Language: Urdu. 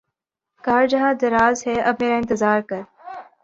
کار جہاں دراز ہے اب میرا انتظار کر